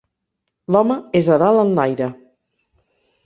L'home és a dalt en l'aire